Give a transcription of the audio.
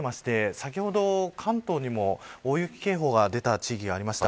先ほど、関東にも大雪警報が出た地域がありました。